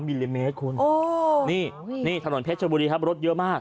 มิลลิเมตรคุณโอ้นี่นี่ถนนเพชรชบุรีครับรถเยอะมาก